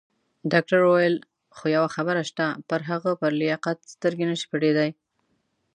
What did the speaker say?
ډاکټر وویل: خو یوه خبره شته، پر هغه پر لیاقت سترګې نه شي پټېدای.